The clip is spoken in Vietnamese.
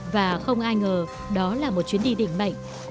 và không ai ngờ đó là một chuyến đi định mệnh